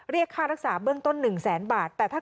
เรียกค่ารักษาเบื้องต้น๑แสนบาท